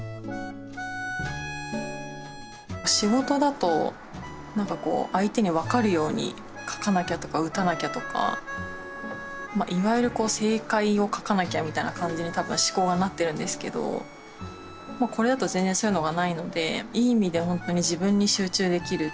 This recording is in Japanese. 仕事だとなんかこう相手に分かるように書かなきゃとか打たなきゃとかまあいわゆる「正解」を書かなきゃみたいな感じに多分思考がなってるんですけどこれだと全然そういうのがないのでいい意味でほんとに自分に集中できる。